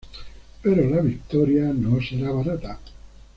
Pero la victoria no será barata.